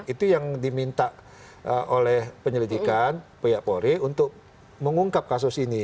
itu yang diminta oleh penyelidikan pihak polri untuk mengungkap kasus ini